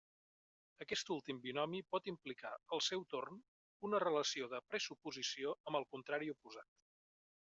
Aquest últim binomi pot implicar, al seu torn, una relació de pressuposició amb el contrari oposat.